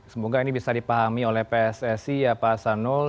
semoga ini bisa dipahami oleh pssc pak hasanul